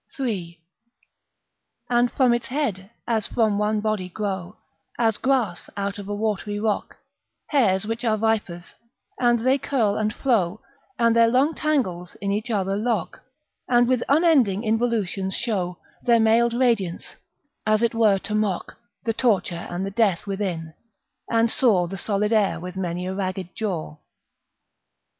III. And from its head as from one body grow, As grass out of a watery rock, Hairs which are vipers, and they curl and flow And their long tangles in each other lock, And with unending involutions show Their mailed radiance, as it were to mock The torture and the death within, and saw The solid air with many a ragged jaw.